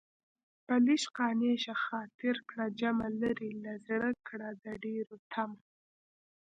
په لږ قانع شه خاطر کړه جمع لرې له زړه کړه د ډېرو طمع